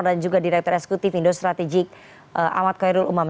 dan juga direktur eksekutif indo strategik ahmad khairul umam